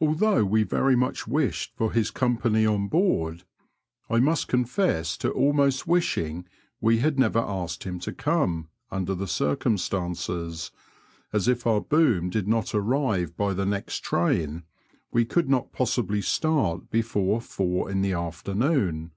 Although we very much wished for his company on hoard, I must confess to^ almost wishing we had never asked him to come, under the circumstances, as if our boom did not arrive by the next, train we could not possibly start before four in the afternoon.